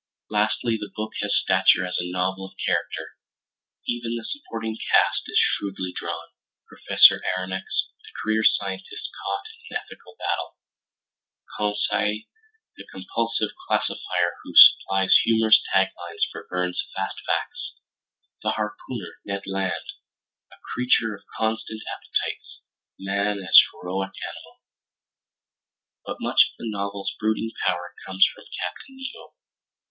Lastly the book has stature as a novel of character. Even the supporting cast is shrewdly drawn: Professor Aronnax, the career scientist caught in an ethical conflict; Conseil, the compulsive classifier who supplies humorous tag lines for Verne's fast facts; the harpooner Ned Land, a creature of constant appetites, man as heroic animal. But much of the novel's brooding power comes from Captain Nemo.